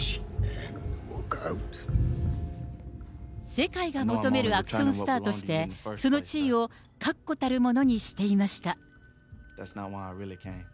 世界が求めるアクションスターとして、その地位を確固たるものにしていました。